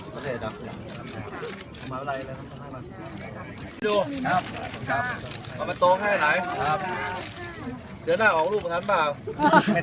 ไม่ได้ตัวอะไรใช้แล้วเขียนอันนี้เป็นเวลาของความสุขเป็นดีเป็นธุรกิจอะไรอย่างเงี้ย